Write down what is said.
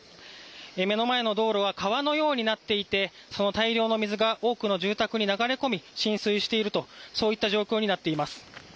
目の前の道路は川のようになっていてその大量の水が多くの住宅に流れ込み、浸水しているとそういった状況になっています。